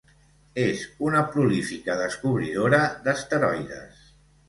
És una prolífica descobridora d'asteroides.